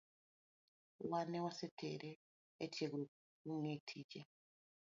Wan ne wasetere etiegruok mong’e tije